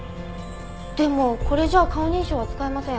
でもこれじゃあ顔認証は使えません。